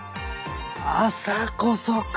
朝こそか。